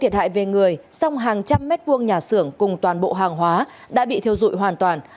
thiệt hại về người song hàng trăm mét vuông nhà xưởng cùng toàn bộ hàng hóa đã bị thiêu dụi hoàn toàn